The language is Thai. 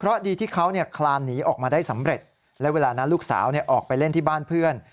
เพราะดีที่เขาคลานหนีออกมาได้สำเร็จและเวลานั้นลูกสาวออกไปเล่นที่บ้านเพื่อน